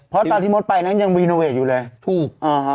เพราะตอนที่มดไปนั้นยังรีโนเวทอยู่เลยถูกอ่าฮะ